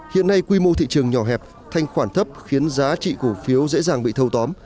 hiện nay quy mô thị trường nhỏ hẹp thanh khoản thấp khiến giá trị cổ phiếu dễ dàng bị thâu tóm